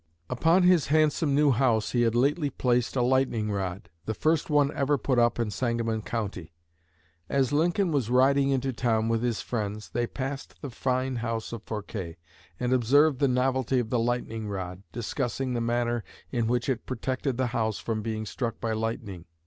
Upon his handsome new house he had lately placed a lightning rod, the first one ever put up in Sangamon County. As Lincoln was riding into town with his friends, they passed the fine house of Forquer, and observed the novelty of the lightning rod, discussing the manner in which it protected the house from being struck by lightning.